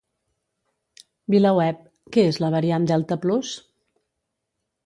VilaWeb: Què és la variant delta plus?